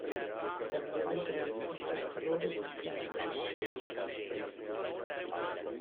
È mediamente resistente al calore, purché non eccessivo.